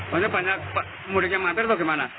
banyak banyak pemudik yang mampir bagaimana